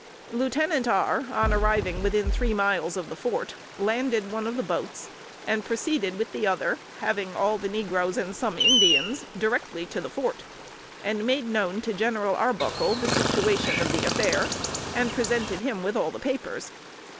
Lieutenant R., on arriving within three miles of the fort, landed one of the boats, and proceeded with the other (having all the negroes and some Indians) directly to the fort, and made known to General Arbuckle the situation of the affair, and presented him with all the papers.